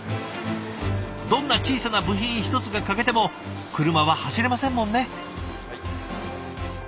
どんな小さな部品１つが欠けても車は走れませんもんね。